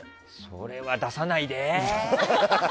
それは出さないで。